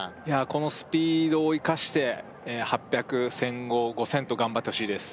このスピードを生かして８００１５００５０００と頑張ってほしいです